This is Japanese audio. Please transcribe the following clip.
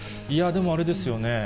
でも、あれですよね。